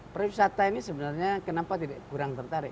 perwisata ini sebenarnya kenapa kurang tertarik